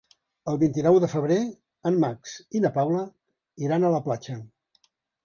El vint-i-nou de febrer en Max i na Paula iran a la platja.